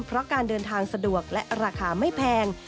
เพราะการเดินทางสะดวกและราคาไม่แพง